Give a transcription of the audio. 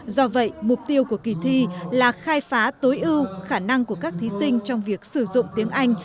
do vậy mục tiêu của kỳ thi là khai phá tối ưu khả năng của các thí sinh trong việc sử dụng tiếng anh